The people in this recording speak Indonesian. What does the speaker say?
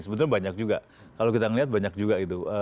sebetulnya banyak juga kalau kita lihat banyak juga